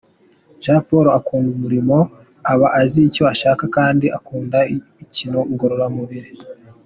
Jean Paul akunda umurimo, aba azi icyo ashaka kandi akunda imikino ngororamubiri.